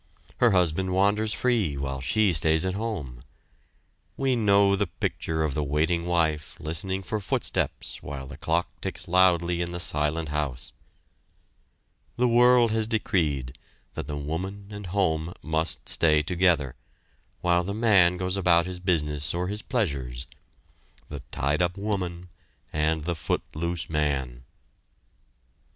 Her husband wanders free while she stays at home. We know the picture of the waiting wife listening for footsteps while the clock ticks loudly in the silent house. The world has decreed that the woman and home must stay together, while the man goes about his business or his pleasures the tied up woman and the foot loose man.